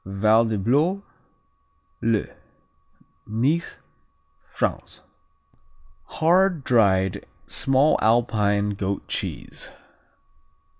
Valdeblore, le Nice, France Hard, dried, small Alpine goat cheese.